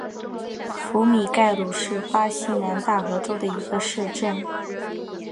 福米盖鲁是巴西南大河州的一个市镇。